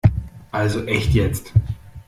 Also echt jetzt!